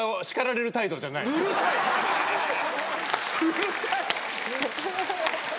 うるさい！